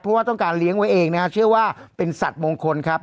เพราะว่าต้องการเลี้ยงไว้เองนะฮะเชื่อว่าเป็นสัตว์มงคลครับ